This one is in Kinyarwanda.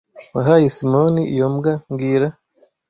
Wahaye Simoni iyo mbwa mbwira